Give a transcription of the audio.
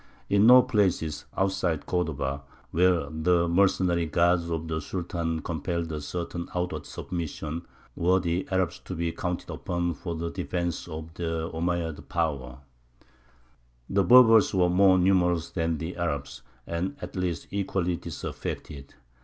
In no place, outside Cordova, where the mercenary guards of the Sultan compelled a certain outward submission, were the Arabs to be counted upon for the defence of the Omeyyad power. [Illustration: THE GOLDEN TOWER, SEVILLE.] The Berbers were more numerous than the Arabs, and at least equally disaffected.